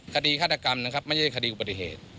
คดีฆาตกรรมนะครับไม่ใช่คดีอุบัติเหตุ